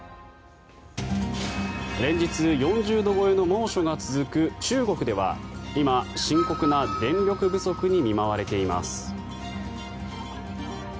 連日４０度超えの猛暑が続く中国では今、深刻な電力不足に見舞われています。